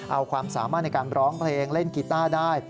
เอาความสามารถในการร้องเพลงเล่นกีต้าได้